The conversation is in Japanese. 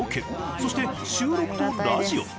そして収録とラジオ。